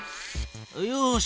よし。